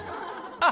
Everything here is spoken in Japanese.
あっ！